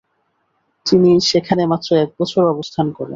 তিনি সেখানে মাত্র এক বছর অবস্থান করেন।